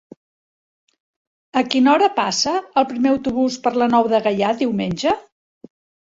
A quina hora passa el primer autobús per la Nou de Gaià diumenge?